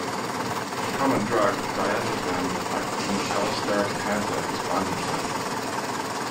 A common drug, diazepam, acts as an allosteric enhancer at this binding site.